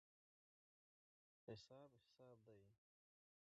حساب حساب دی.